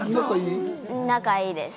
仲いいです。